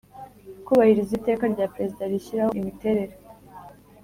Kubahiriza iteka rya perezida rishyiraho imiterere